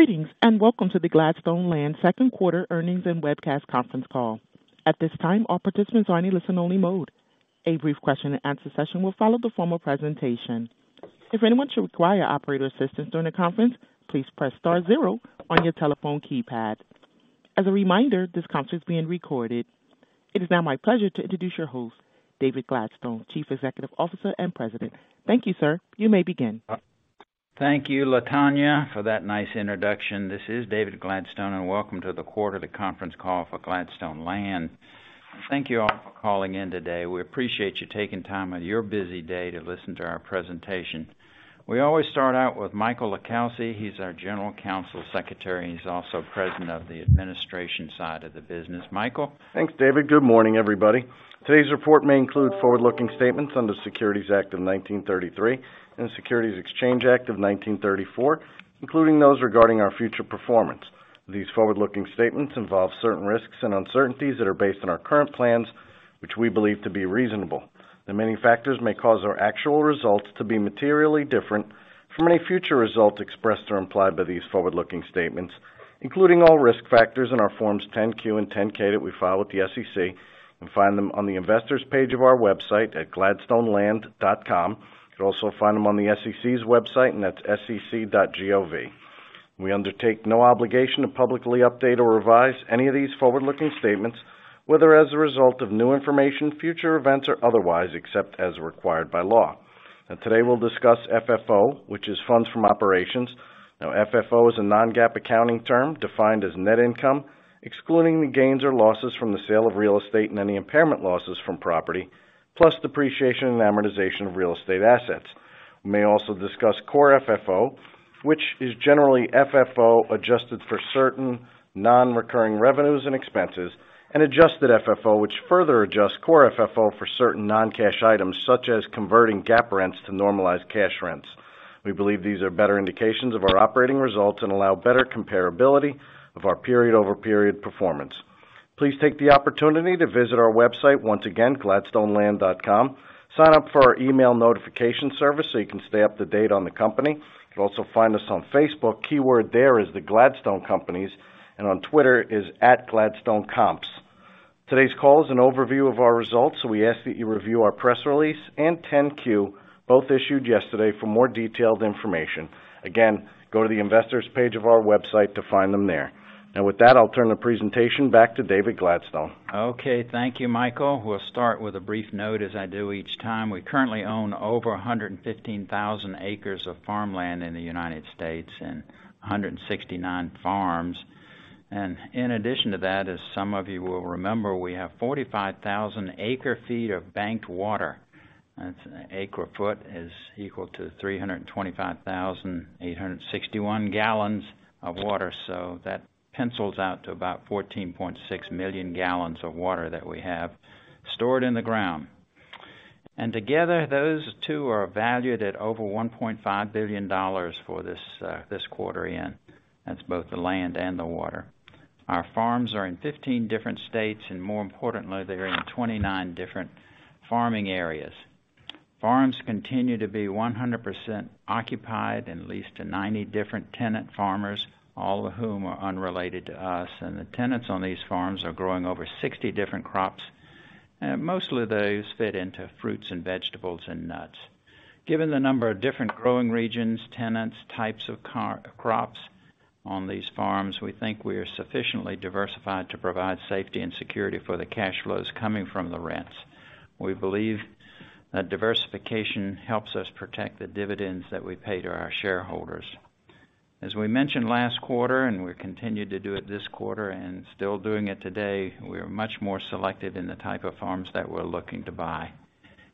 Greetings, and welcome to the Gladstone Land second quarter earnings and webcast conference call. At this time, all participants are in a listen-only mode. A brief question-and-answer session will follow the formal presentation. If anyone should require operator assistance during the conference, please press star zero on your telephone keypad. As a reminder, this conference is being recorded. It is now my pleasure to introduce your host, David Gladstone, Chief Executive Officer and President. Thank you, sir. You may begin. Thank you, Latonya, for that nice introduction. This is David Gladstone, and welcome to the conference call for Gladstone Land. Thank you all for calling in today. We appreciate you taking time out of your busy day to listen to our presentation. We always start out with Michael LiCalsi. He's our General Counsel and Secretary, and he's also President of the administration side of the business. Michael. Thanks, David. Good morning, everybody. Today's report may include forward-looking statements under the Securities Act of 1933 and the Securities Exchange Act of 1934, including those regarding our future performance. These forward-looking statements involve certain risks and uncertainties that are based on our current plans, which we believe to be reasonable. Unforeseen factors may cause our actual results to be materially different from any future results expressed or implied by these forward-looking statements, including all risk factors in our Forms 10-Q and 10-K that we file with the SEC, and find them on the investors page of our website at GladstoneLand.com. You'll also find them on the SEC's website, and that's sec.gov. We undertake no obligation to publicly update or revise any of these forward-looking statements, whether as a result of new information, future events, or otherwise, except as required by law. Today, we'll discuss FFO, which is funds from operations. Now, FFO is a non-GAAP accounting term defined as net income, excluding the gains or losses from the sale of real estate and any impairment losses from property, plus depreciation and amortization of real estate assets. We may also discuss core FFO, which is generally FFO adjusted for certain non-recurring revenues and expenses, and adjusted FFO, which further adjusts core FFO for certain non-cash items such as converting GAAP rents to normalized cash rents. We believe these are better indications of our operating results and allow better comparability of our period-over-period performance. Please take the opportunity to visit our website, once again, GladstoneLand.com. Sign up for our email notification service so you can stay up-to-date on the company. You'll also find us on Facebook. Keyword there is the Gladstone Companies, and on Twitter is @GladstoneComps. Today's call is an overview of our results, so we ask that you review our press release and 10-Q, both issued yesterday, for more detailed information. Again, go to the investors page of our website to find them there. Now, with that, I'll turn the presentation back to David Gladstone. Okay. Thank you, Michael. We'll start with a brief note, as I do each time. We currently own over 115,000 acres of farmland in the United States and 169 farms. In addition to that, as some of you will remember, we have 45,000 acre-feet of banked water. That's, acre-foot is equal to 325,861 gallons of water. That pencils out to about 14.6 million gallons of water that we have stored in the ground. Together, those two are valued at over $1.5 billion for this quarter-end. That's both the land and the water. Our farms are in 15 different states, and more importantly, they're in 29 different farming areas. Farms continue to be 100% occupied and leased to 90 different tenant farmers, all of whom are unrelated to us. The tenants on these farms are growing over 60 different crops. Mostly those fit into fruits and vegetables and nuts. Given the number of different growing regions, tenants, types of crops on these farms, we think we are sufficiently diversified to provide safety and security for the cash flows coming from the rents. We believe that diversification helps us protect the dividends that we pay to our shareholders. As we mentioned last quarter, and we continued to do it this quarter and still doing it today, we are much more selective in the type of farms that we're looking to buy.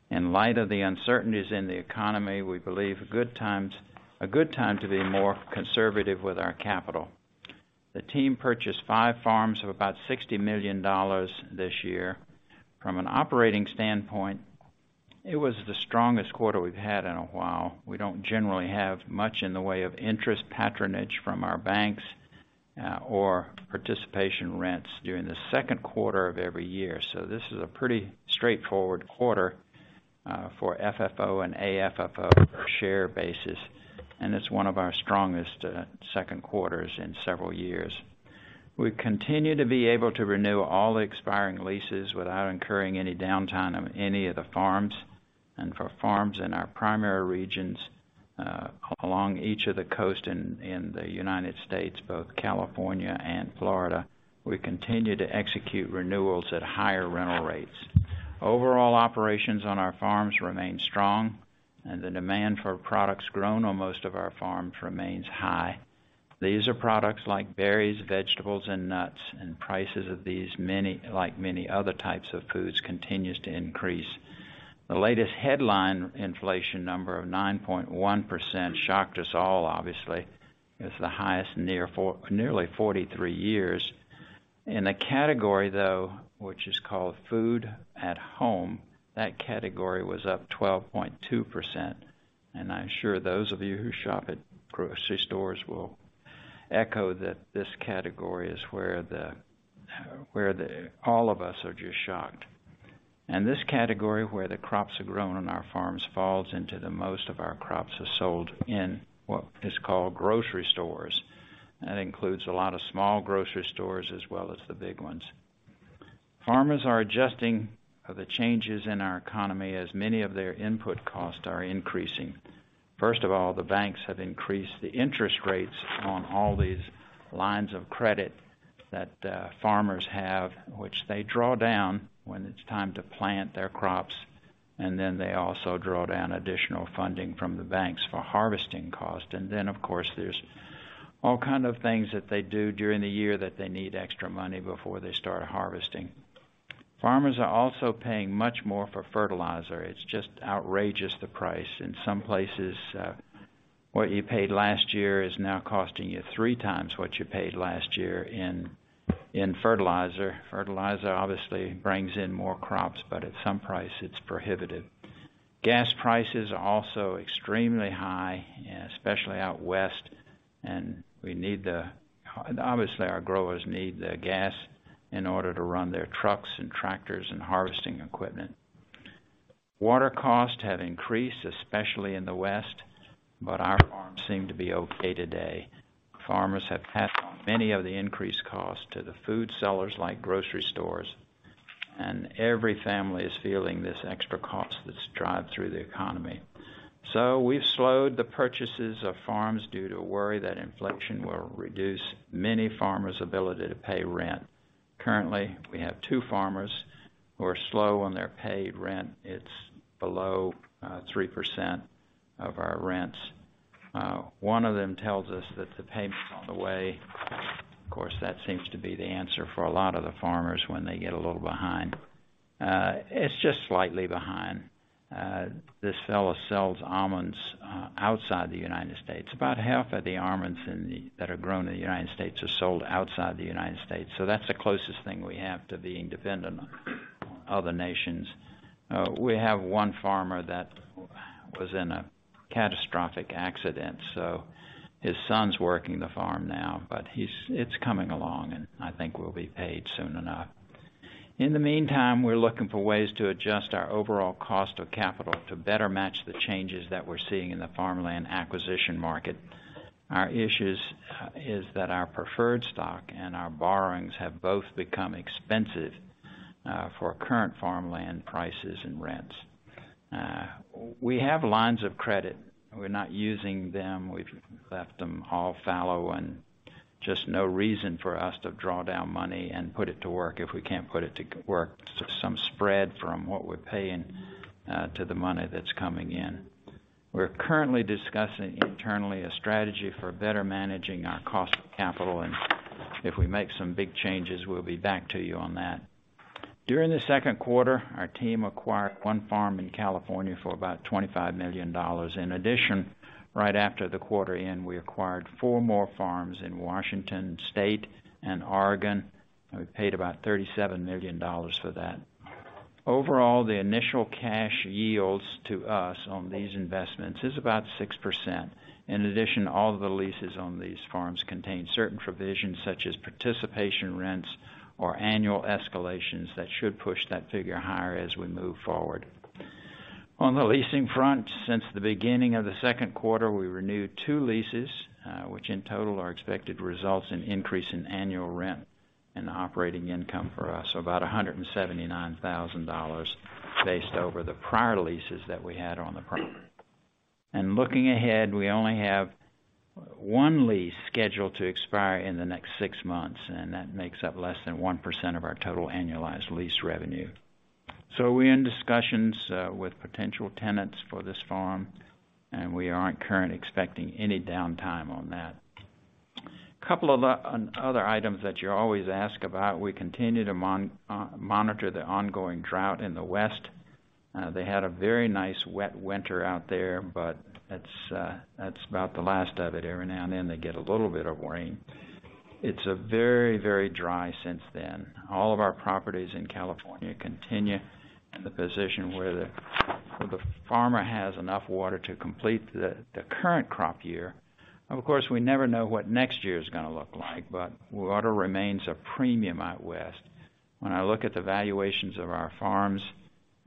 In light of the uncertainties in the economy, we believe a good time to be more conservative with our capital. The team purchased five farms of about $60 million this year. From an operating standpoint, it was the strongest quarter we've had in a while. We don't generally have much in the way of interest patronage from our banks, or participation rents during the second quarter of every year. This is a pretty straightforward quarter, for FFO and AFFO per share basis, and it's one of our strongest, second quarters in several years. We continue to be able to renew all the expiring leases without incurring any downtime of any of the farms. For farms in our primary regions, along each of the coasts in the United States, both California and Florida, we continue to execute renewals at higher rental rates. Overall operations on our farms remain strong, and the demand for products grown on most of our farms remains high. These are products like berries, vegetables, and nuts, and prices of these, like many other types of foods, continues to increase. The latest headline inflation number of 9.1% shocked us all, obviously. It's the highest in nearly 43 years. In the category, though, which is called food at home, that category was up 12.2%. I'm sure those of you who shop at grocery stores will echo that this category is where all of us are just shocked. This category where the crops are grown on our farms falls into that. Most of our crops are sold in what is called grocery stores. That includes a lot of small grocery stores as well as the big ones. Farmers are adjusting to the changes in our economy as many of their input costs are increasing. First of all, the banks have increased the interest rates on all these lines of credit that farmers have, which they draw down when it's time to plant their crops. They also draw down additional funding from the banks for harvesting costs. Of course, there's all kind of things that they do during the year that they need extra money before they start harvesting. Farmers are also paying much more for fertilizer. It's just outrageous, the price. In some places, what you paid last year is now costing you three times what you paid last year in fertilizer. Fertilizer obviously brings in more crops, but at some price, it's prohibitive. Gas prices are also extremely high, especially out west. Obviously, our growers need the gas in order to run their trucks and tractors and harvesting equipment. Water costs have increased, especially in the West, but our farms seem to be okay today. Farmers have passed on many of the increased costs to the food sellers like grocery stores, and every family is feeling this extra cost that's driven through the economy. We've slowed the purchases of farms due to worry that inflation will reduce many farmers' ability to pay rent. Currently, we have two farmers who are slow on their paid rent. It's below 3% of our rents. One of them tells us that the payment's on the way. Of course, that seems to be the answer for a lot of the farmers when they get a little behind. It's just slightly behind. This fellow sells almonds outside the United States. About half of the almonds that are grown in the United States are sold outside the United States. That's the closest thing we have to being dependent on other nations. We have one farmer that was in a catastrophic accident, so his son's working the farm now, but it's coming along, and I think we'll be paid soon enough. In the meantime, we're looking for ways to adjust our overall cost of capital to better match the changes that we're seeing in the farmland acquisition market. Our issues is that our preferred stock and our borrowings have both become expensive for current farmland prices and rents. We have lines of credit. We're not using them. We've left them all fallow and just no reason for us to draw down money and put it to work if we can't put it to work some spread from what we're paying, to the money that's coming in. We're currently discussing internally a strategy for better managing our cost of capital, and if we make some big changes, we'll be back to you on that. During the second quarter, our team acquired one farm in California for about $25 million. In addition, right after the quarter end, we acquired four more farms in Washington State and Oregon. We paid about $37 million for that. Overall, the initial cash yields to us on these investments is about 6%. In addition, all of the leases on these farms contain certain provisions such as participation rents or annual escalations that should push that figure higher as we move forward. On the leasing front, since the beginning of the second quarter, we renewed 2 leases, which in total are expected to result in increase in annual rent and operating income for us, so about $179,000 based on the prior leases that we had on the property. Looking ahead, we only have 1 lease scheduled to expire in the next six months, and that makes up less than 1% of our total annualized lease revenue. We're in discussions with potential tenants for this farm, and we aren't currently expecting any downtime on that. A couple of other items that you always ask about, we continue to monitor the ongoing drought in the West. They had a very nice wet winter out there, but that's about the last of it. Every now and then, they get a little bit of rain. It's very, very dry since then. All of our properties in California continue in the position where the farmer has enough water to complete the current crop year. Of course, we never know what next year is gonna look like, but water remains a premium out West. When I look at the valuations of our farms,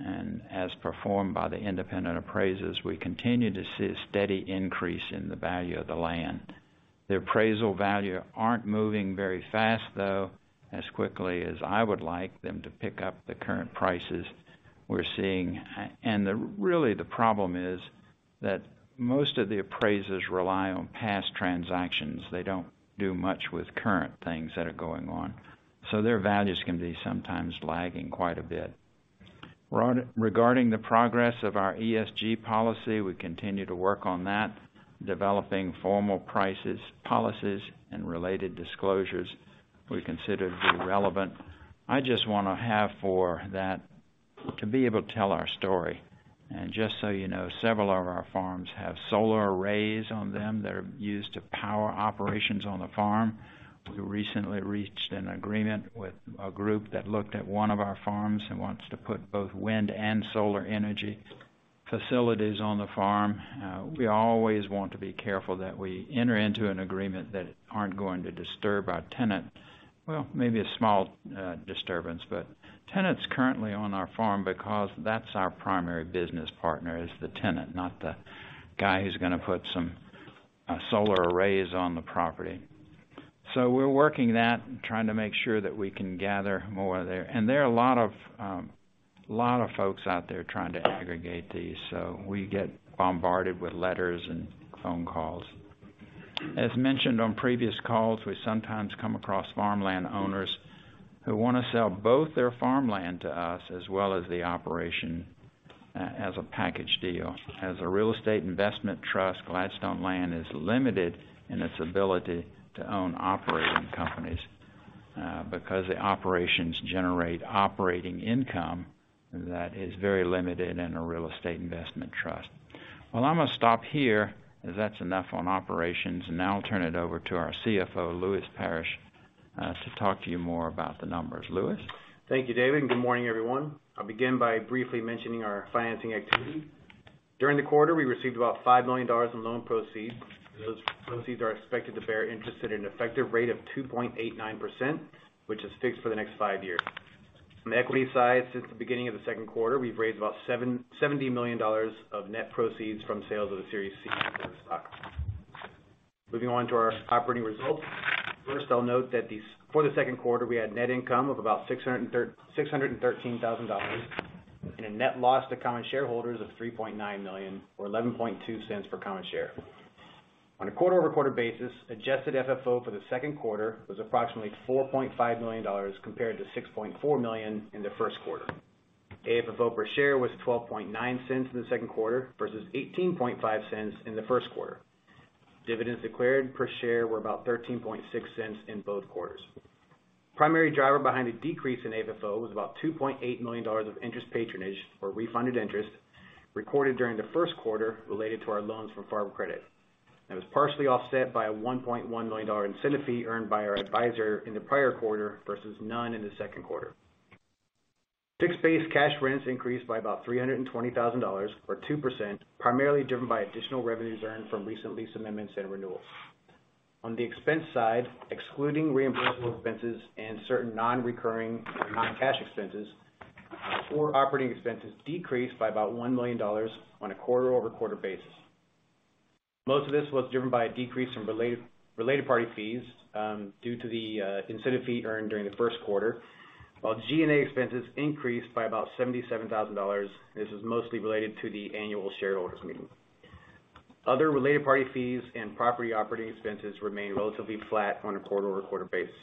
and as performed by the independent appraisers, we continue to see a steady increase in the value of the land. The appraisal value aren't moving very fast, though, as quickly as I would like them to pick up the current prices we're seeing. Really, the problem is that most of the appraisers rely on past transactions. They don't do much with current things that are going on. Their values can be sometimes lagging quite a bit. Regarding the progress of our ESG policy, we continue to work on that, developing formal prices, policies, and related disclosures we consider to be relevant. I just want to have for that to be able to tell our story. Just so you know, several of our farms have solar arrays on them that are used to power operations on the farm. We recently reached an agreement with a group that looked at one of our farms and wants to put both wind and solar energy facilities on the farm. We always want to be careful that we enter into an agreement that aren't going to disturb our tenant. Well, maybe a small disturbance, but tenant's currently on our farm because that's our primary business partner, is the tenant, not the guy who's gonna put some solar arrays on the property. We're working that and trying to make sure that we can gather more there. There are a lot of folks out there trying to aggregate these, so we get bombarded with letters and phone calls. As mentioned on previous calls, we sometimes come across farmland owners who wanna sell both their farmland to us as well as the operation as a package deal. As a real estate investment trust, Gladstone Land is limited in its ability to own operating companies, because the operations generate operating income that is very limited in a real estate investment trust. Well, I'm gonna stop here as that's enough on operations, and now I'll turn it over to our CFO, Lewis Parrish, to talk to you more about the numbers. Lewis. Thank you, David, and good morning, everyone. I'll begin by briefly mentioning our financing activity. During the quarter, we received about $5 million in loan proceeds. Those proceeds are expected to bear interest at an effective rate of 2.89%, which is fixed for the next 5 years. On the equity side, since the beginning of the second quarter, we've raised about $770 million of net proceeds from sales of the Series C common stock. Moving on to our operating results. First, I'll note that for the second quarter, we had net income of about $613 thousand and a net loss to common shareholders of $3.9 million or $0.112 per common share. On a quarter-over-quarter basis, Adjusted FFO for the second quarter was approximately $4.5 million compared to $6.4 million in the first quarter. AFFO per share was $0.129 in the second quarter versus $0.185 in the first quarter. Dividends declared per share were about $0.136 in both quarters. Primary driver behind the decrease in AFFO was about $2.8 million of interest patronage or refunded interest recorded during the first quarter related to our loans from Farm Credit, and was partially offset by a $1.1 million incentive fee earned by our advisor in the prior quarter versus none in the second quarter. Fixed base cash rents increased by about $320 thousand or 2%, primarily driven by additional revenues earned from recent lease amendments and renewals. On the expense side, excluding reimbursable expenses and certain non-recurring non-cash expenses, our core operating expenses decreased by about $1 million on a quarter-over-quarter basis. Most of this was driven by a decrease from related party fees due to the incentive fee earned during the first quarter. While G&A expenses increased by about $77,000, this was mostly related to the annual shareholders meeting. Other related party fees and property operating expenses remained relatively flat on a quarter-over-quarter basis.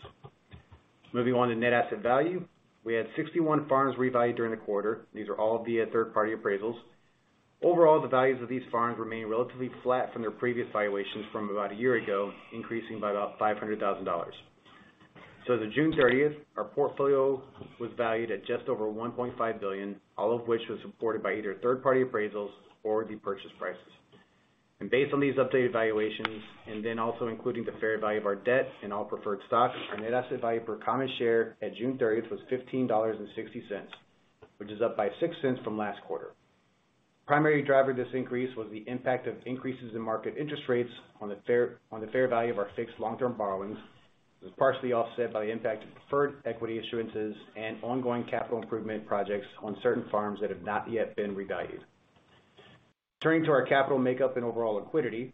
Moving on to net asset value. We had 61 farms revalued during the quarter. These are all via third party appraisals. Overall, the values of these farms remain relatively flat from their previous valuations from about a year ago, increasing by about $500,000. As of June thirtieth, our portfolio was valued at just over $1.5 billion, all of which was supported by either third-party appraisals or the purchase prices. Based on these updated valuations, and then also including the fair value of our debt and all preferred stocks, our net asset value per common share at June thirtieth was $15.60, which is up by $0.06 from last quarter. Primary driver of this increase was the impact of increases in market interest rates on the fair value of our fixed long-term borrowings. It was partially offset by the impact of preferred equity issuances and ongoing capital improvement projects on certain farms that have not yet been revalued. Turning to our capital makeup and overall liquidity.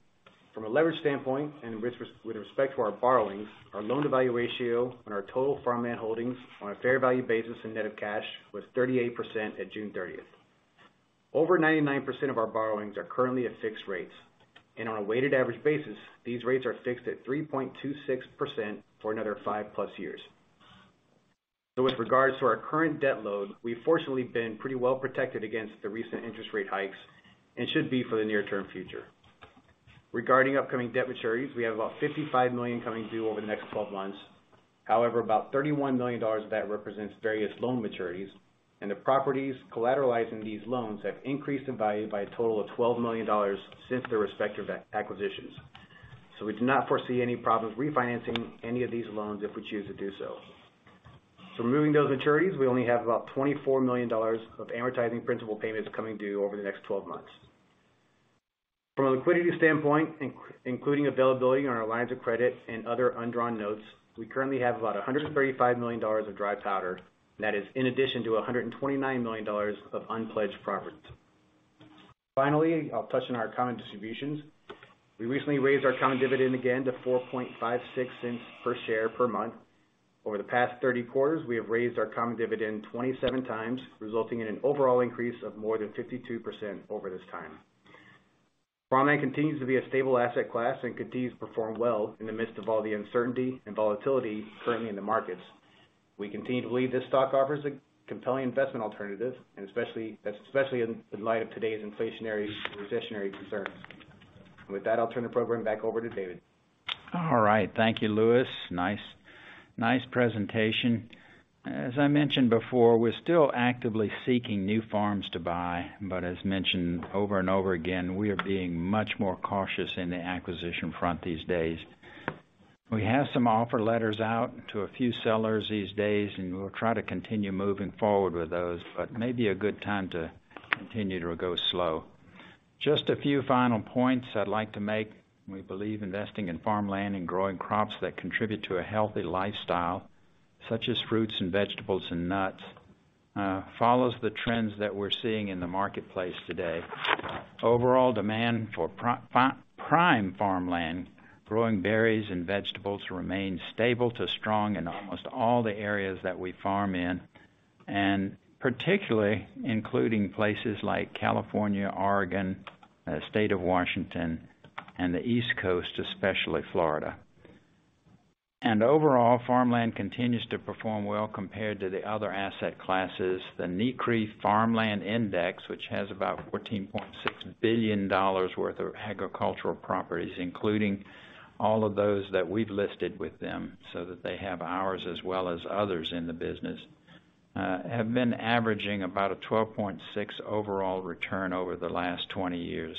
From a leverage standpoint and with respect to our borrowings, our loan-to-value ratio on our total farmland holdings on a fair value basis and net of cash was 38% at June 30. Over 99% of our borrowings are currently at fixed rates. On a weighted average basis, these rates are fixed at 3.26% for another 5+ years. With regards to our current debt load, we've fortunately been pretty well protected against the recent interest rate hikes and should be for the near-term future. Regarding upcoming debt maturities, we have about $55 million coming due over the next 12 months. However, about $31 million of that represents various loan maturities, and the properties collateralizing these loans have increased in value by a total of $12 million since their respective acquisitions. We do not foresee any problems refinancing any of these loans if we choose to do so. Removing those maturities, we only have about $24 million of amortizing principal payments coming due over the next 12 months. From a liquidity standpoint, including availability on our lines of credit and other undrawn notes, we currently have about $135 million of dry powder. That is in addition to $129 million of unpledged properties. Finally, I'll touch on our common distributions. We recently raised our common dividend again to 4.56 cents per share per month. Over the past 30 quarters, we have raised our common dividend 27 times, resulting in an overall increase of more than 52% over this time. Farmland continues to be a stable asset class and continues to perform well in the midst of all the uncertainty and volatility currently in the markets. We continue to believe this stock offers a compelling investment alternative, and especially in light of today's inflationary and recessionary concerns. With that, I'll turn the program back over to David. All right. Thank you, Lewis. Nice presentation. As I mentioned before, we're still actively seeking new farms to buy, but as mentioned over and over again, we are being much more cautious in the acquisition front these days. We have some offer letters out to a few sellers these days, and we'll try to continue moving forward with those, but may be a good time to continue to go slow. Just a few final points I'd like to make. We believe investing in farmland and growing crops that contribute to a healthy lifestyle, such as fruits and vegetables and nuts, follows the trends that we're seeing in the marketplace today. Overall demand for prime farmland, growing berries and vegetables remains stable to strong in almost all the areas that we farm in, and particularly including places like California, Oregon, State of Washington, and the East Coast, especially Florida. Overall, farmland continues to perform well compared to the other asset classes. The NCREIF Farmland Index, which has about $14.6 billion worth of agricultural properties, including all of those that we've listed with them, so that they have ours as well as others in the business, have been averaging about a 12.6% overall return over the last 20 years,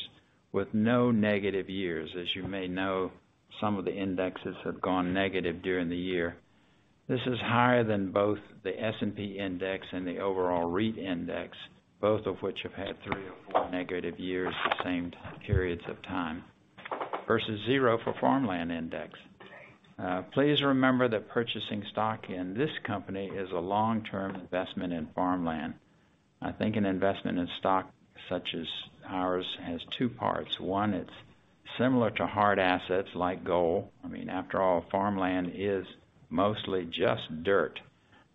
with no negative years. As you may know, some of the indexes have gone negative during the year. This is higher than both the S&P index and the overall REIT index, both of which have had three or four negative years, the same time periods of time, versus 0 for farmland index. Please remember that purchasing stock in this company is a long-term investment in farmland. I think an investment in stock such as ours has two parts. One, it's similar to hard assets like gold. I mean, after all, farmland is mostly just dirt,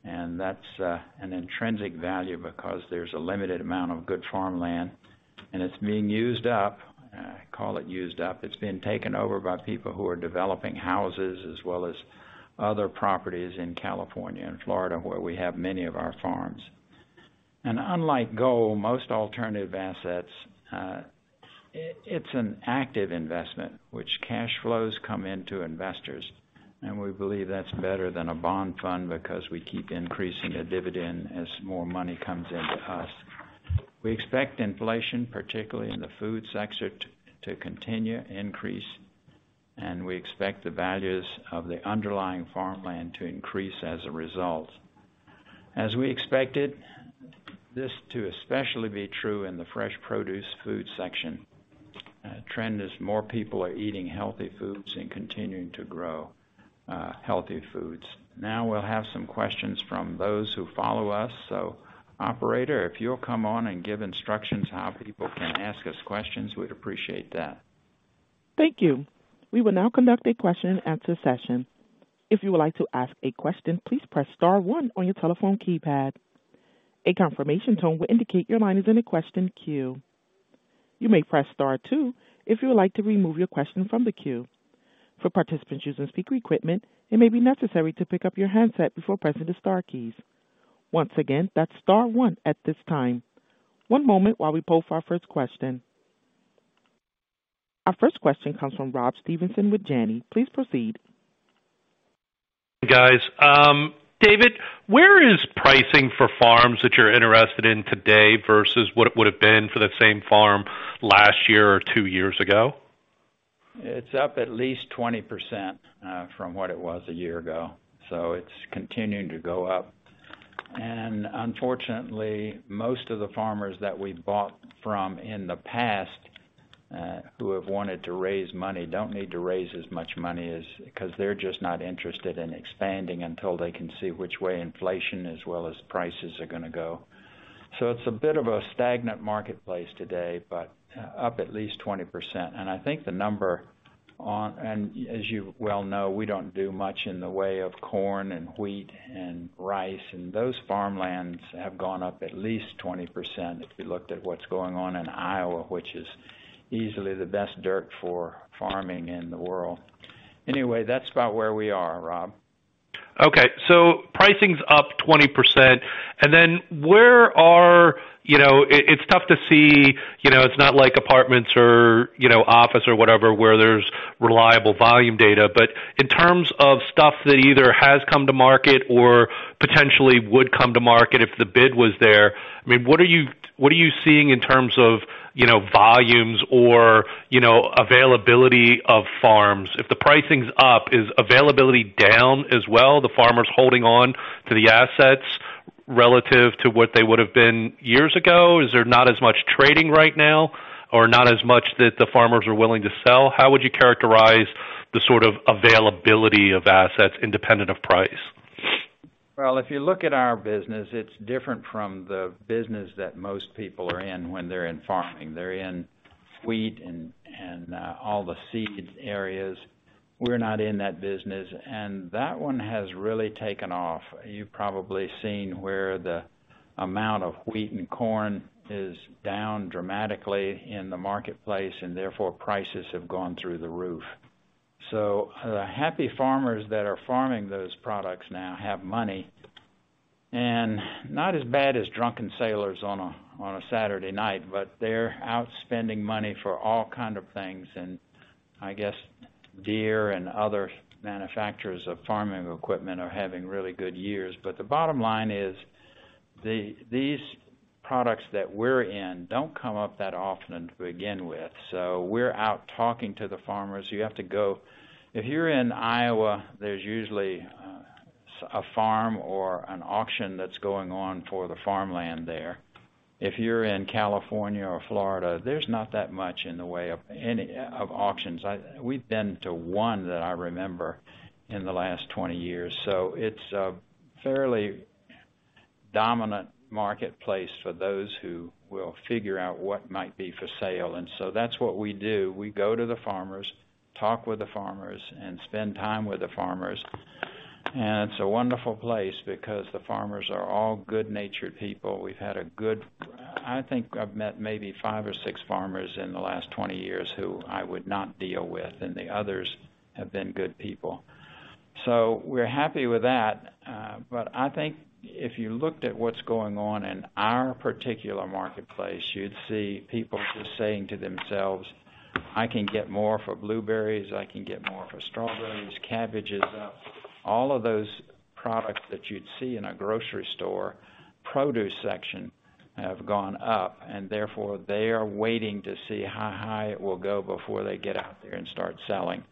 and that's an intrinsic value because there's a limited amount of good farmland, and it's being used up. I call it used up. It's been taken over by people who are developing houses as well as other properties in California and Florida, where we have many of our farms. Unlike gold, most alternative assets, it's an active investment, which cash flows come into investors. We believe that's better than a bond fund because we keep increasing the dividend as more money comes into us. We expect inflation, particularly in the food sector, to continue to increase, and we expect the values of the underlying farmland to increase as a result. As we expected, this to especially be true in the fresh produce food section. Trend is more people are eating healthy foods and continuing to grow healthy foods. Now we'll have some questions from those who follow us. Operator, if you'll come on and give instructions how people can ask us questions, we'd appreciate that. Thank you. We will now conduct a question and answer session. If you would like to ask a question, please press star one on your telephone keypad. A confirmation tone will indicate your line is in a question queue. You may press star two if you would like to remove your question from the queue. For participants using speaker equipment, it may be necessary to pick up your handset before pressing the star keys. Once again, that's star one at this time. One moment while we poll for our first question. Our first question comes from Rob Stevenson with Janney. Please proceed. Guys. David, where is pricing for farms that you're interested in today versus what it would've been for the same farm last year or two years ago? It's up at least 20%, from what it was a year ago. It's continuing to go up. Unfortunately, most of the farmers that we bought from in the past, who have wanted to raise money, don't need to raise as much money as 'cause they're just not interested in expanding until they can see which way inflation as well as prices are gonna go. It's a bit of a stagnant marketplace today, but up at least 20%. I think the number and as you well know, we don't do much in the way of corn and wheat and rice, and those farmlands have gone up at least 20%, if you looked at what's going on in Iowa, which is easily the best dirt for farming in the world. Anyway, that's about where we are, Rob. Okay. Pricing's up 20%, and then, you know, it's tough to see, you know, it's not like apartments or, you know, office or whatever, where there's reliable volume data. In terms of stuff that either has come to market or potentially would come to market if the bid was there, I mean, what are you seeing in terms of, you know, volumes or, you know, availability of farms? If the pricing's up, is availability down as well? Are the farmers holding on to the assets relative to what they would've been years ago? Is there not as much trading right now or not as much that the farmers are willing to sell? How would you characterize the sort of availability of assets independent of price? Well, if you look at our business, it's different from the business that most people are in when they're in farming. They're in wheat and all the seed areas. We're not in that business, and that one has really taken off. You've probably seen where the amount of wheat and corn is down dramatically in the marketplace, and therefore, prices have gone through the roof. The happy farmers that are farming those products now have money and not as bad as drunken sailors on a Saturday night, but they're out spending money for all kind of things. I guess Deere and other manufacturers of farming equipment are having really good years. The bottom line is these products that we're in don't come up that often to begin with, so we're out talking to the farmers. You have to go. If you're in Iowa, there's usually a farm or an auction that's going on for the farmland there. If you're in California or Florida, there's not that much in the way of any of auctions. We've been to one that I remember in the last 20 years. It's a fairly dominant marketplace for those who will figure out what might be for sale. That's what we do. We go to the farmers, talk with the farmers, and spend time with the farmers. It's a wonderful place because the farmers are all good-natured people. I think I've met maybe five or six farmers in the last 20 years who I would not deal with, and the others have been good people. We're happy with that. I think if you looked at what's going on in our particular marketplace, you'd see people just saying to themselves, "I can get more for blueberries, I can get more for strawberries, cabbage is up." All of those products that you'd see in a grocery store produce section have gone up, and therefore, they are waiting to see how high it will go before they get out there and start selling.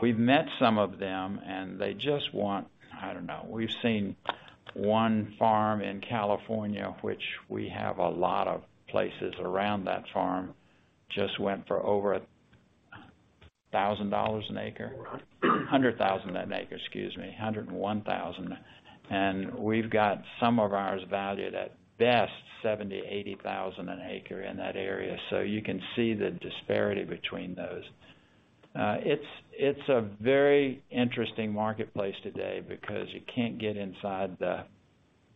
We've met some of them, and they just want. I don't know. We've seen one farm in California, which we have a lot of places around that farm, just went for over $1,000 an acre. $100,000 an acre, excuse me, $101,000. We've got some of ours valued, at best, 70,000, 80,000 an acre in that area, so you can see the disparity between those. It's a very interesting marketplace today because you can't get inside the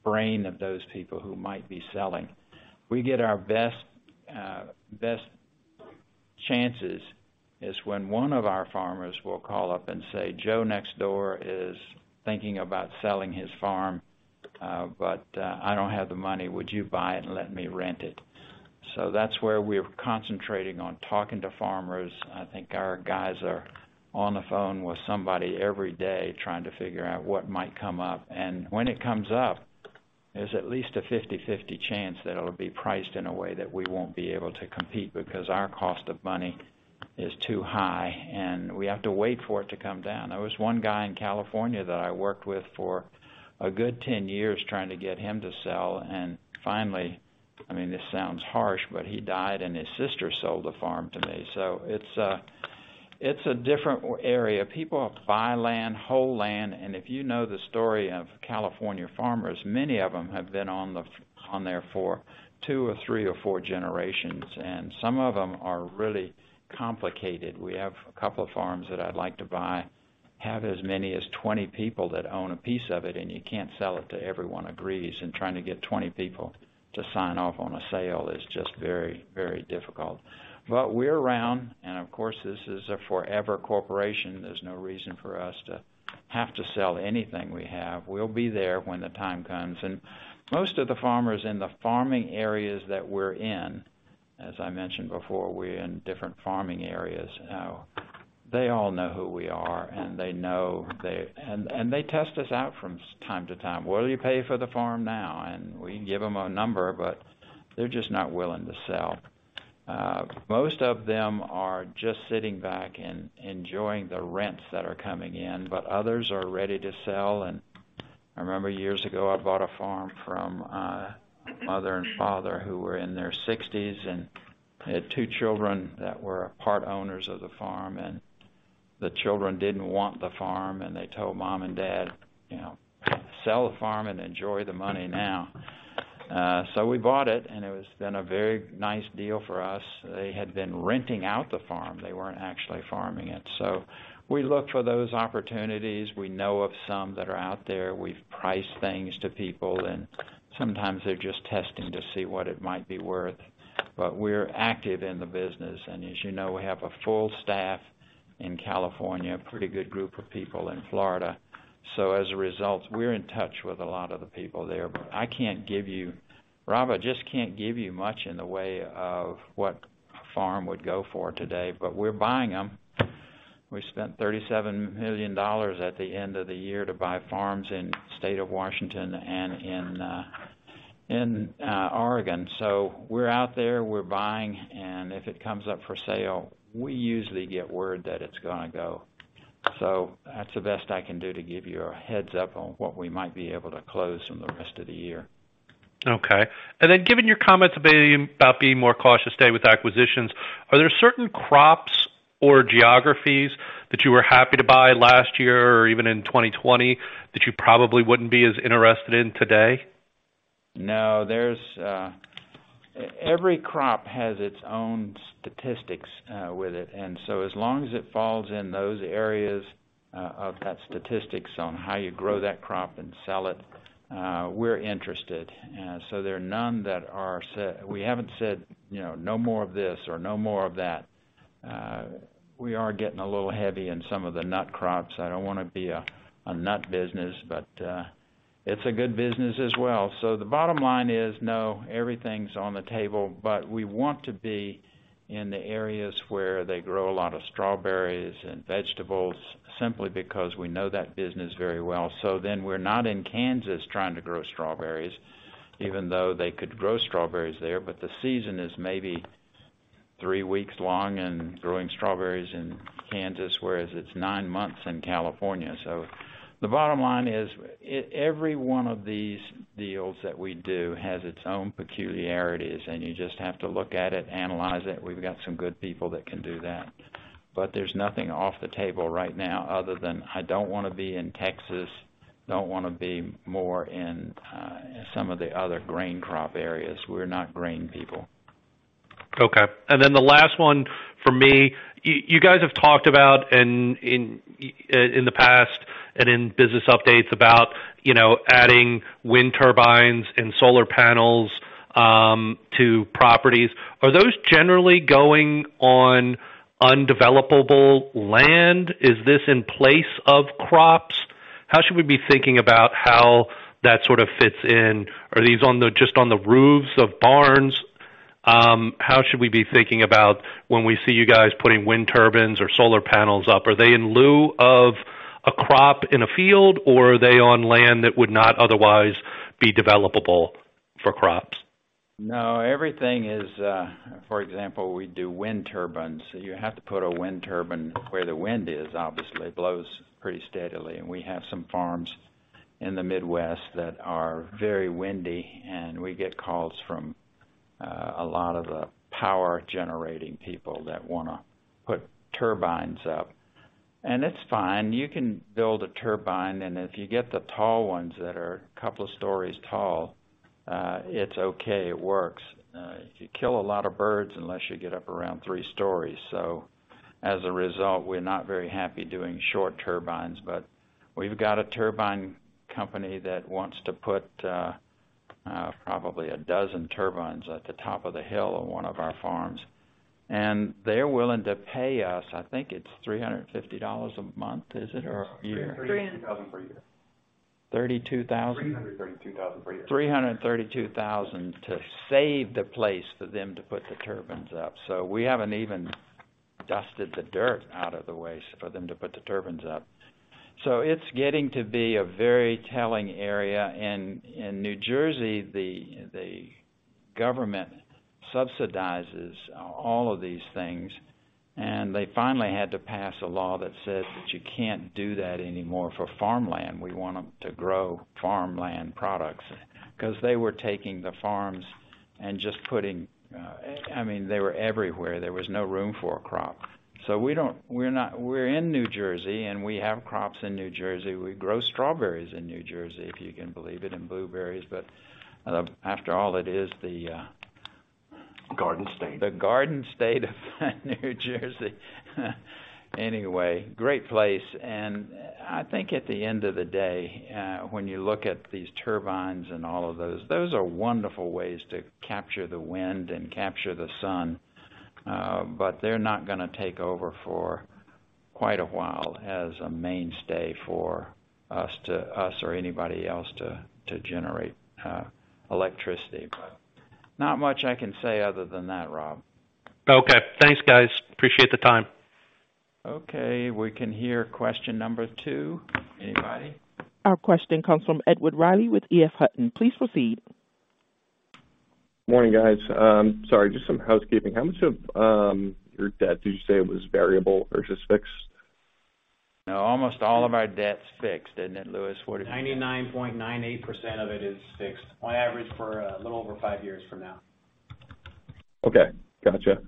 brain of those people who might be selling. We get our best chances when one of our farmers will call up and say, "Joe next door is thinking about selling his farm, but I don't have the money. Would you buy it and let me rent it?" That's where we're concentrating on talking to farmers. I think our guys are on the phone with somebody every day trying to figure out what might come up. When it comes up, there's at least a 50/50 chance that it'll be priced in a way that we won't be able to compete because our cost of money is too high, and we have to wait for it to come down. There was one guy in California that I worked with for a good 10 years trying to get him to sell. Finally, I mean, this sounds harsh, but he died and his sister sold the farm to me. It's a different area. People buy land, whole land, and if you know the story of California farmers, many of them have been on the farm there for two or three or four generations, and some of them are really complicated. We have a couple of farms that I'd like to buy, have as many as 20 people that own a piece of it, and you can't sell it till everyone agrees. Trying to get 20 people to sign off on a sale is just very, very difficult. We're around, and of course, this is a forever corporation. There's no reason for us to have to sell anything we have. We'll be there when the time comes. Most of the farmers in the farming areas that we're in, as I mentioned before, we're in different farming areas now. They all know who we are, and they know they test us out from time to time. "What'll you pay for the farm now?" We give them a number, but they're just not willing to sell. Most of them are just sitting back and enjoying the rents that are coming in, but others are ready to sell. I remember years ago, I bought a farm from a mother and father who were in their sixties and had two children that were part owners of the farm. The children didn't want the farm, and they told mom and dad, you know, "Sell the farm and enjoy the money now." We bought it, and it has been a very nice deal for us. They had been renting out the farm. They weren't actually farming it. We look for those opportunities. We know of some that are out there. We've priced things to people, and sometimes they're just testing to see what it might be worth. We're active in the business. As you know, we have a full staff in California, a pretty good group of people in Florida. As a result, we're in touch with a lot of the people there. I can't give you, Rob, I just can't give you much in the way of what a farm would go for today, but we're buying them. We spent $37 million at the end of the year to buy farms in the state of Washington and in Oregon. We're out there, we're buying, and if it comes up for sale, we usually get word that it's gonna go. That's the best I can do to give you a heads-up on what we might be able to close in the rest of the year. Okay. Then given your comments being about being more cautious today with acquisitions, are there certain crops or geographies that you were happy to buy last year or even in 2020 that you probably wouldn't be as interested in today? No, there's every crop has its own statistics with it. As long as it falls in those areas of that statistics on how you grow that crop and sell it, we're interested. We haven't said, you know, "No more of this," or, "No more of that." We are getting a little heavy in some of the nut crops. I don't wanna be a nut business, but it's a good business as well. The bottom line is, no, everything's on the table. We want to be in the areas where they grow a lot of strawberries and vegetables simply because we know that business very well. We're not in Kansas trying to grow strawberries, even though they could grow strawberries there, but the season is maybe 3 weeks long and growing strawberries in Kansas, whereas it's 9 months in California. The bottom line is, every one of these deals that we do has its own peculiarities, and you just have to look at it, analyze it. We've got some good people that can do that. There's nothing off the table right now other than I don't wanna be in Texas, don't wanna be more in, some of the other grain crop areas. We're not grain people. Okay. The last one from me. You guys have talked about in the past and in business updates about, you know, adding wind turbines and solar panels to properties. Are those generally going on undevelopable land? Is this in place of crops? How should we be thinking about how that sort of fits in? Are these just on the roofs of barns? How should we be thinking about when we see you guys putting wind turbines or solar panels up? Are they in lieu of a crop in a field, or are they on land that would not otherwise be developable for crops? No, everything is. For example, we do wind turbines. You have to put a wind turbine where the wind is, obviously. It blows pretty steadily. We have some farms in the Midwest that are very windy, and we get calls from a lot of the power generating people that wanna put turbines up. It's fine. You can build a turbine, and if you get the tall ones that are a couple stories tall, it's okay. It works. You kill a lot of birds unless you get up around three stories. As a result, we're not very happy doing short turbines. We've got a turbine company that wants to put probably a dozen turbines at the top of the hill on one of our farms. They're willing to pay us, I think it's $350 a month. Is it or a year? $332,000 per year. 32,000? $332,000 per year. $332,000 to save the place for them to put the turbines up. We haven't even dusted the dirt out of the way for them to put the turbines up. It's getting to be a very telling area. In New Jersey, the government subsidizes all of these things, and they finally had to pass a law that says that you can't do that anymore for farmland. We want them to grow farmland products 'cause they were taking the farms and just putting, I mean, they were everywhere. There was no room for a crop. We're in New Jersey, and we have crops in New Jersey. We grow strawberries in New Jersey, if you can believe it, and blueberries. But after all, it is the Garden State. ...the Garden State of New Jersey. Anyway, great place. I think at the end of the day, when you look at these turbines and all of those are wonderful ways to capture the wind and capture the sun. They're not gonna take over for quite a while as a mainstay for us or anybody else to generate electricity. Not much I can say other than that, Rob. Okay. Thanks, guys. Appreciate the time. Okay, we can hear question number two. Anybody? Our question comes from Edward Riley with EF Hutton. Please proceed. Morning, guys. Sorry, just some housekeeping. How much of your debt did you say was variable versus fixed? Now, almost all of our debt's fixed. Isn't it, Lewis? What did you say? 99.98% of it is fixed on average for a little over five years from now. Okay. Gotcha.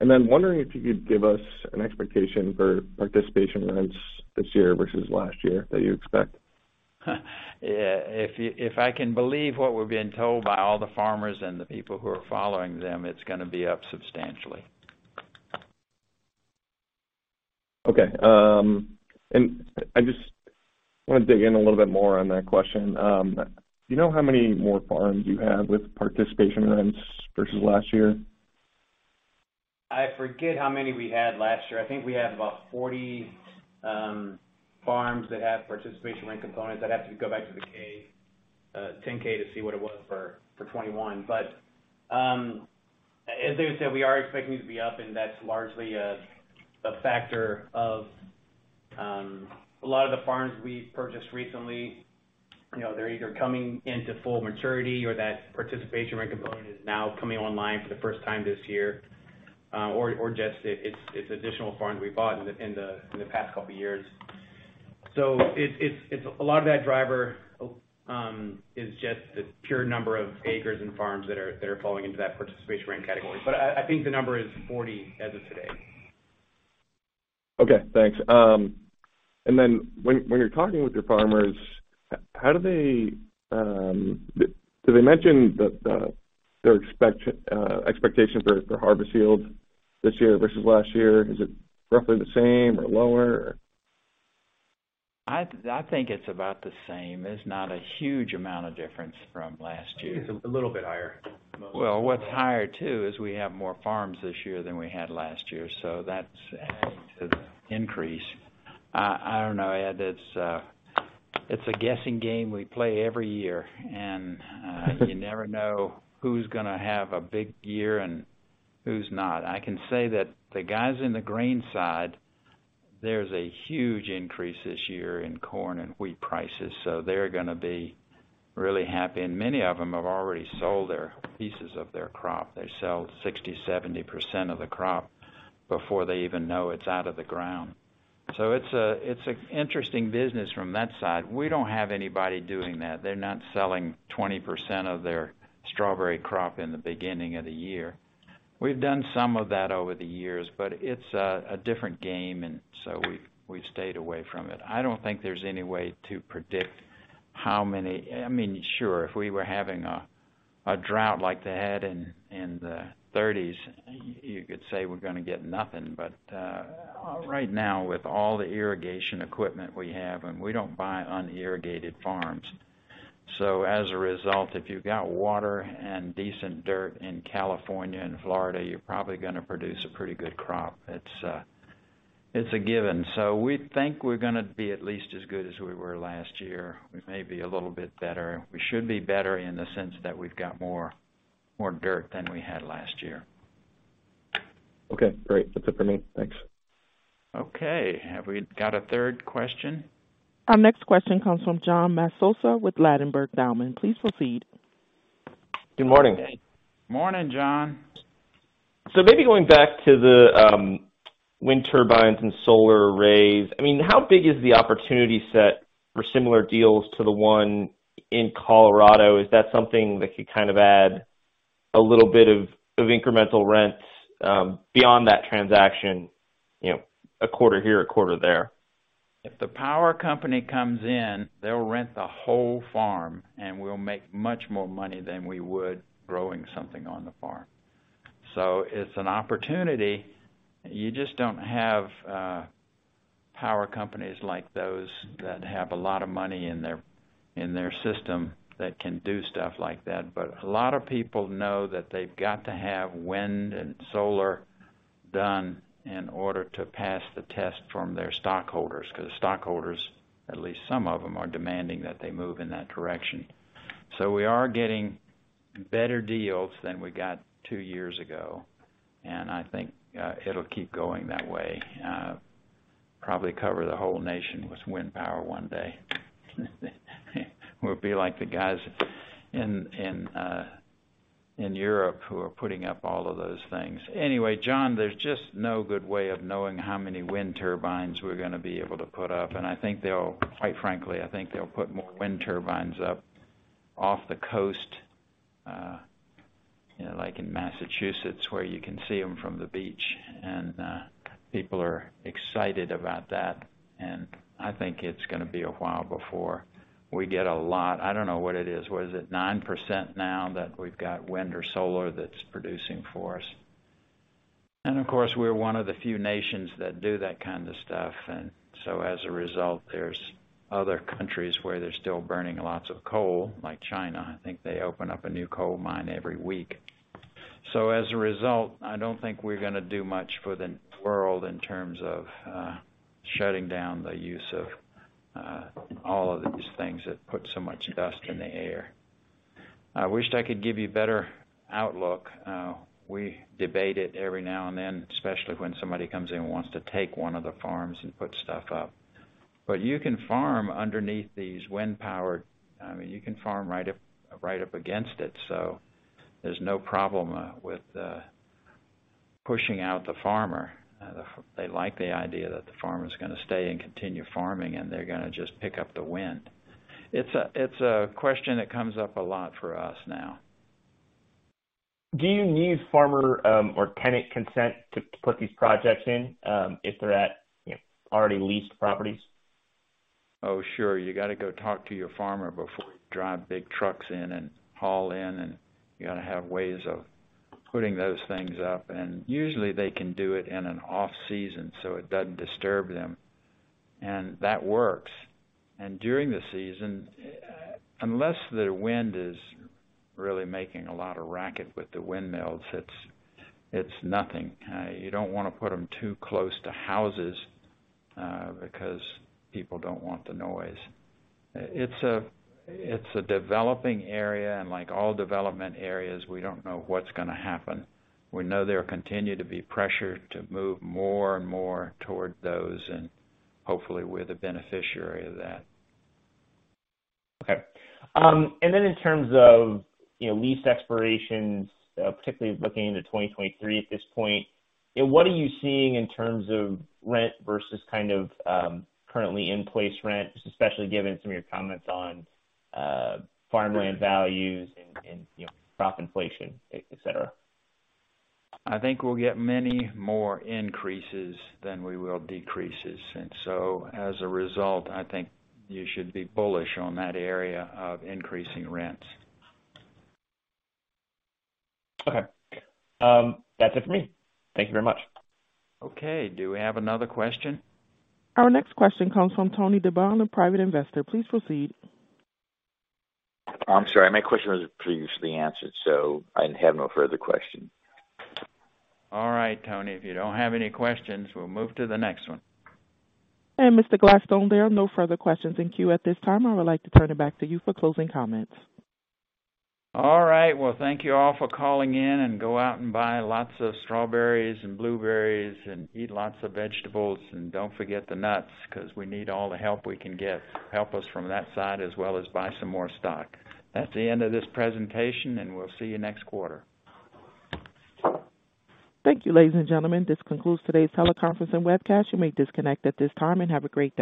Wondering if you could give us an expectation for participation rents this year versus last year that you expect. If I can believe what we're being told by all the farmers and the people who are following them, it's gonna be up substantially. Okay. I just wanna dig in a little bit more on that question. Do you know how many more farms you have with participation rents versus last year? I forget how many we had last year. I think we have about 40 farms that have participation rent components. I'd have to go back to the 10-K to see what it was for 2021. As Lewis said, we are expecting to be up, and that's largely a factor of a lot of the farms we purchased recently. You know, they're either coming into full maturity or that participation rent component is now coming online for the first time this year, or just it's a lot of that driver is just the pure number of acres and farms that are falling into that participation rent category. I think the number is 40 as of today. Okay, thanks. When you're talking with your farmers, how do they mention their expectation for harvest yield this year versus last year? Is it roughly the same or lower or? I think it's about the same. There's not a huge amount of difference from last year. I think it's a little bit higher. Well, what's higher too is we have more farms this year than we had last year, so that's adding to the increase. I don't know, Ed. It's a guessing game we play every year, and you never know who's gonna have a big year and who's not. I can say that the guys in the grain side. There's a huge increase this year in corn and wheat prices, so they're gonna be really happy. Many of them have already sold their pieces of their crop. They sell 60, 70% of the crop before they even know it's out of the ground. It's an interesting business from that side. We don't have anybody doing that. They're not selling 20% of their strawberry crop in the beginning of the year. We've done some of that over the years, but it's a different game and so we stayed away from it. I don't think there's any way to predict how many I mean, sure, if we were having a drought like they had in the thirties, you could say we're gonna get nothing. Right now, with all the irrigation equipment we have, and we don't buy unirrigated farms, so as a result, if you've got water and decent dirt in California and Florida, you're probably gonna produce a pretty good crop. It's a given. We think we're gonna be at least as good as we were last year. We may be a little bit better. We should be better in the sense that we've got more dirt than we had last year. Okay, great. That's it for me. Thanks. Okay. Have we got a third question? Our next question comes from John Massocca with Ladenburg Thalmann. Please proceed. Good morning. Morning, John. Maybe going back to the wind turbines and solar arrays, I mean, how big is the opportunity set for similar deals to the one in Colorado? Is that something that could kind of add a little bit of incremental rents beyond that transaction, you know, a quarter here, a quarter there? If the power company comes in, they'll rent the whole farm, and we'll make much more money than we would growing something on the farm. It's an opportunity. You just don't have power companies like those that have a lot of money in their system that can do stuff like that. But a lot of people know that they've got to have wind and solar done in order to pass the test from their stockholders, 'cause stockholders, at least some of them, are demanding that they move in that direction. We are getting better deals than we got two years ago, and I think it'll keep going that way. Probably cover the whole nation with wind power one day. We'll be like the guys in Europe who are putting up all of those things. Anyway, John, there's just no good way of knowing how many wind turbines we're gonna be able to put up, and I think quite frankly they'll put more wind turbines up off the coast, you know, like in Massachusetts, where you can see them from the beach. People are excited about that. I think it's gonna be a while before we get a lot. I don't know what it is. What is it, 9% now that we've got wind or solar that's producing for us? Of course, we're one of the few nations that do that kind of stuff. As a result, there's other countries where they're still burning lots of coal, like China. I think they open up a new coal mine every week. As a result, I don't think we're gonna do much for the world in terms of, shutting down the use of, all of these things that put so much dust in the air. I wished I could give you better outlook. We debate it every now and then, especially when somebody comes in and wants to take one of the farms and put stuff up. I mean, you can farm right up, right up against it, so there's no problem with, pushing out the farmer. They like the idea that the farmer's gonna stay and continue farming, and they're gonna just pick up the wind. It's a question that comes up a lot for us now. Do you need farmer or tenant consent to put these projects in if they're at you know already leased properties? Oh, sure. You gotta go talk to your farmer before you drive big trucks in and haul in, and you gotta have ways of putting those things up. Usually they can do it in an off-season, so it doesn't disturb them. That works. During the season, unless the wind is really making a lot of racket with the windmills, it's nothing. You don't wanna put them too close to houses because people don't want the noise. It's a developing area, and like all development areas, we don't know what's gonna happen. We know there continue to be pressure to move more and more toward those, and hopefully we're the beneficiary of that. Okay. In terms of, you know, lease expirations, particularly looking into 2023 at this point, what are you seeing in terms of rent versus kind of, currently in place rent, just especially given some of your comments on, farmland values and, you know, crop inflation, et cetera? I think we'll get many more increases than we will decreases. As a result, I think you should be bullish on that area of increasing rents. Okay. That's it for me. Thank you very much. Okay. Do we have another question? Our next question comes from Tony Dibon, a private investor. Please proceed. I'm sorry. My question was previously answered, so I have no further question. All right, Tony, if you don't have any questions, we'll move to the next one. Mr. Gladstone, there are no further questions in queue at this time. I would like to turn it back to you for closing comments. All right. Well, thank you all for calling in, and go out and buy lots of strawberries and blueberries and eat lots of vegetables. Don't forget the nuts, 'cause we need all the help we can get. Help us from that side as well as buy some more stock. That's the end of this presentation, and we'll see you next quarter. Thank you, ladies and gentlemen. This concludes today's teleconference and webcast. You may disconnect at this time, and have a great day.